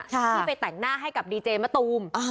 ที่ไปแต่งหน้าให้กับดีเจมะตูม